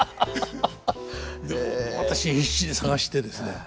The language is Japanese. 私必死に探してですね